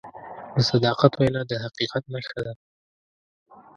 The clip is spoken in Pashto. د صداقت وینا د حقیقت نښه ده.